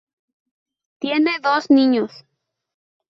Tiene dos niños.